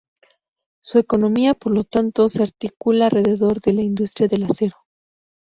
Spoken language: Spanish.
Su economía, por lo tanto, se articula alrededor de la industria del acero.